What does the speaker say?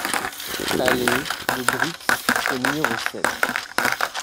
Allée le Brix au numéro sept